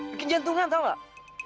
bikin jantungan tau gak